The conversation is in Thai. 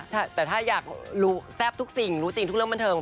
แต่ถ้าอยากรู้แซ่บทุกสิ่งรู้จริงทุกเรื่องบันเทิง